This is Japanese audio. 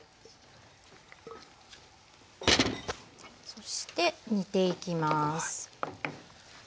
そして煮ていきます。